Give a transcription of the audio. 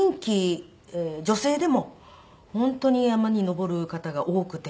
女性でも本当に山に登る方が多くて。